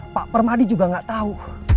pak permadi juga nggak tahu